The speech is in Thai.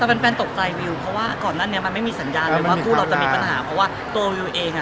แต่แฟนตกใจวิวเพราะว่าก่อนหน้านี้มันไม่มีสัญญาณเลยว่าคู่เราจะมีปัญหาเพราะว่าตัววิวเองอ่ะ